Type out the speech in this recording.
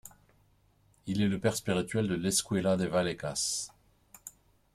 Il est le père spirituel de l'Escuela de Vallecas.